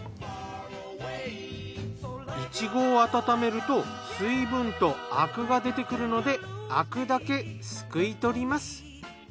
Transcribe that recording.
イチゴを温めると水分とアクが出てくるのでアクだけすくい取ります。